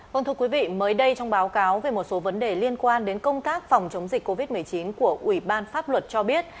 vâng thưa quý vị mới đây trong báo cáo về một số vấn đề liên quan đến công tác phòng chống dịch covid một mươi chín của ủy ban pháp luật cho biết